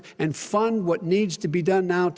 saya menetapkan itu di bulan maret